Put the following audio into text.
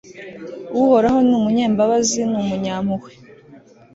uhoraho ni umunyambabazi n'umunyampuhwe